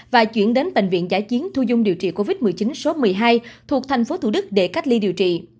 và chuyển đến bệnh viện giải chiến thu dung điều trị covid một mươi chín số một mươi hai thuộc thành phố thủ đức để cách ly điều trị